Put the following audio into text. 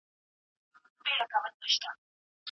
الوتکه په ډېر مهارت سره په ځمکه کښېناسته.